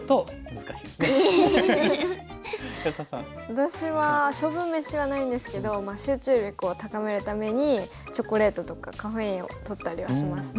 私は勝負めしはないんですけど集中力を高めるためにチョコレートとかカフェインをとったりはしますね。